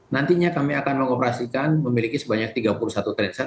nantinya kami akan mengoperasikan memiliki sebanyak tiga puluh satu trainset